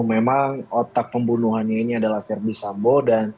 memang otak pembunuhannya ini adalah verdi sambo